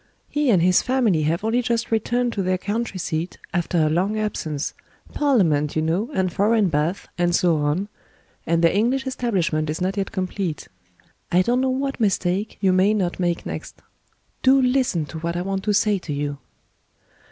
He and his family have only just returned to their country seat, after a long absence parliament you know, and foreign baths, and so on and their English establishment is not yet complete. I don't know what mistake you may not make next. Do listen to what I want to say to you."